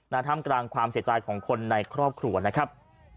ท่ามกลางความเสียใจของคนในครอบครัวนะครับ